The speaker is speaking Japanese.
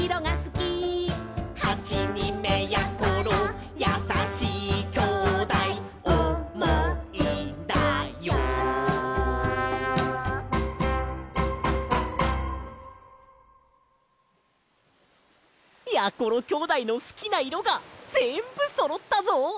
きょうだいのすきないろがぜんぶそろったぞ！